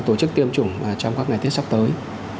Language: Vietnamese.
tổ chức tiêm chủng trong các ngày tiếp sắp tới